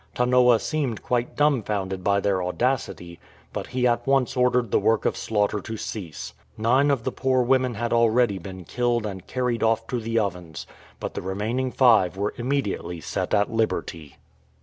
Tanoa seemed quite dumb founded by their audacity, but he at once ordered the work of slaughter to cease. Nine of the poor w^omen had already been killed and carried off to the ovens, but the remaining five were immediately set at liberty.